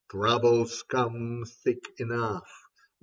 72 Leda Troubles come thick enough.